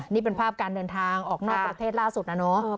นี่เป็นภาพการเดินทางออกนอกประเทศล่าสุดนะเนอะ